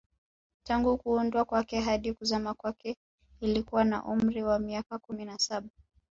Tangu kuundwa kwake hadi kuzama kwake ilikuwa na umri wa miaka kumi na saba